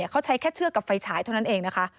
เขาใช้แค่เชือกกับไฟฉายเท่านั้นเองนะคะ